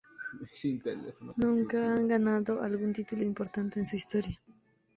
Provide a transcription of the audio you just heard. Nunca han ganado algún título importante en su historia..